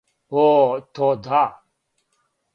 О то да.